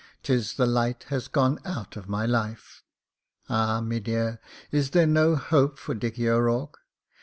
" 'Tis the light has gone out of my life. Ah! me dear, is there no hope for Dickie O'Rourke?